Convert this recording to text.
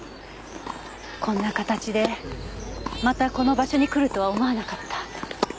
こんな形でまたこの場所に来るとは思わなかった。